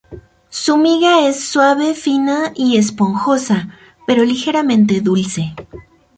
Su miga es suave, fina y esponjosa, pero ligeramente dulce.